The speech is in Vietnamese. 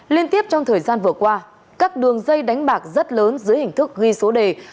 liên tiếp trong thời gian vừa qua các đường dây đánh bạc rất lớn dưới hình thức ghi số đề